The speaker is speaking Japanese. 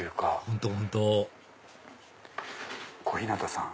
本当本当小日向さん。